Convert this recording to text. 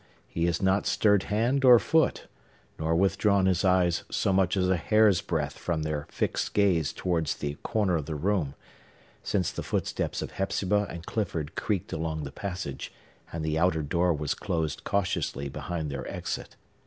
He has not stirred hand or foot, nor withdrawn his eyes so much as a hair's breadth from their fixed gaze towards the corner of the room, since the footsteps of Hepzibah and Clifford creaked along the passage, and the outer door was closed cautiously behind their exit.